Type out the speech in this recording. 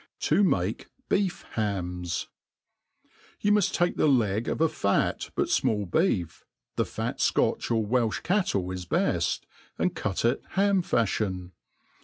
To moh Beef Hams* YOU muft take the leg of a fat, but fi^all beef, the fat Scotch or Welch cattle is beft, and cut it ham fafhion.